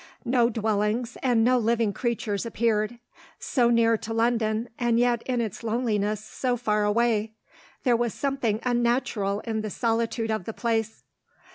No dwellings, and no living creatures appeared. So near to London and yet, in its loneliness, so far away there was something unnatural in the solitude of the place.